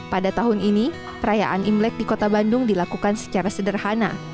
pada tahun ini perayaan imlek di kota bandung dilakukan secara sederhana